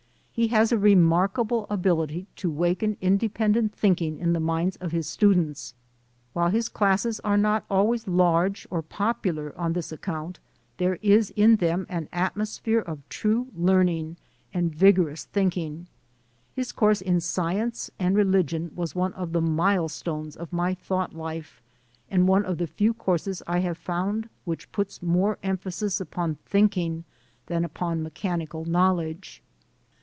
He has a re markable ability to awaken independent thinking in the minds of his students. While his classes are not always large or popular on this account, there is in them an atmosphere of true learning and vigor ous thinking. His course in Science and Religion was one of the milestones of my thought life, and one of the few courses I have found which puts more emphasis upon thinking than upon mechanical knowledge.